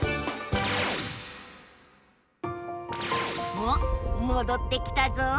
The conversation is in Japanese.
おっもどってきたぞ。